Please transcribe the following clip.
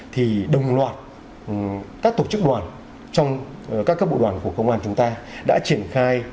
thì đồng loạt các tổ chức đoàn trong các cấp bộ đoàn của công an chúng ta đã triển khai